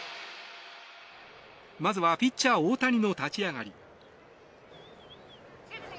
まずはピッチャー・大谷の立ち上がり。